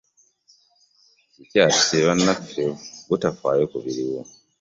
Ekikyatusibye bannaffe butafaayo ku biriwo.